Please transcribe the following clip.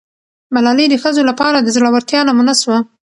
ملالۍ د ښځو لپاره د زړه ورتیا نمونه سوه.